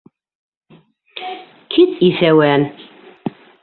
Кит, иҫәүән!